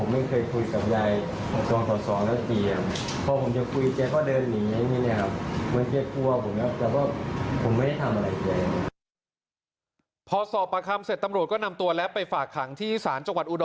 ไม่ครับไม่ครับผมรู้เรื่องผมไม่ได้ขังยายครับ